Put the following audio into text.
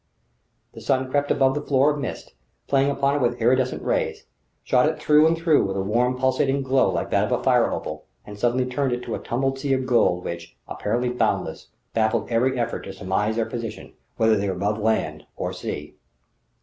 The sun crept above the floor of mist, played upon it with iridescent rays, shot it through and through with a warm, pulsating glow like that of a fire opal, and suddenly turned it to a tumbled sea of gold which, apparently boundless, baffled every effort to surmise their position, whether they were above land or sea.